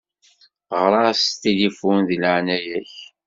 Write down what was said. Ɣeṛ-as s tilifun di leɛnaya-k.